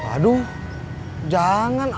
kamu mau tolong aku kalau mau ngelakuin